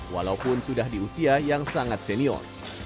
walaupun sudah di usia yang sangat senior